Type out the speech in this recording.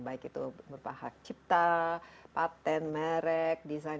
baik itu berbahagian cipta paten merek dan sebagainya